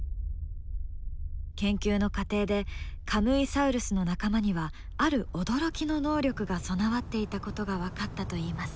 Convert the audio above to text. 研究の過程でカムイサウルスの仲間にはある驚きの能力が備わっていたことが分かったといいます。